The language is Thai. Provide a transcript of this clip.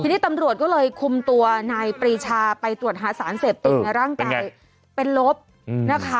ทีนี้ตำรวจก็เลยคุมตัวนายปรีชาไปตรวจหาสารเสพติดในร่างกายเป็นลบนะคะ